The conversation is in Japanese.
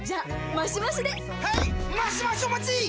マシマシお待ちっ！！